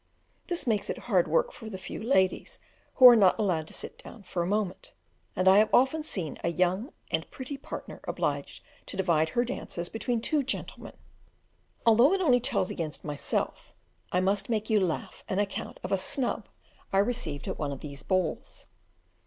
This makes it hard work for the few ladies, who are not allowed to sit down for a moment, and I have often seen a young and pretty partner obliged to divide her dances between two gentlemen. Although it tells only against myself, I must make you laugh at an account of a snub I received at one of these balls.